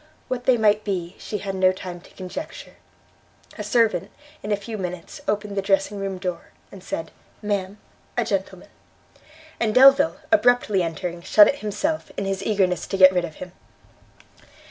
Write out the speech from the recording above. What they might be, she had no time to conjecture; a servant, in a few minutes, opened the dressing room door, and said, "Ma'am, a gentleman;" and Delvile, abruptly entering, shut it himself, in his eagerness to get rid of him.